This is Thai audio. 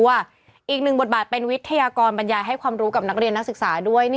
ว่าหลายคนน่ะ